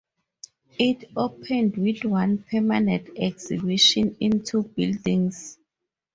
It opened with one permanent exhibition in two buildings.